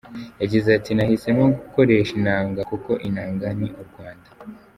Yagize ati "Nahisemo gukoresha inanga kuko inanga ni u Rwanda.